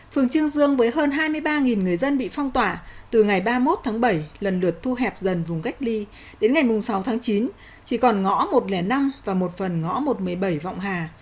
phường trương dương với hơn hai mươi ba người dân bị phong tỏa từ ngày ba mươi một tháng bảy lần lượt thu hẹp dần vùng cách ly đến ngày sáu tháng chín chỉ còn ngõ một trăm linh năm và một phần ngõ một trăm một mươi bảy vọng hà